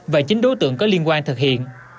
và chính đối tượng có liên quan thực hiện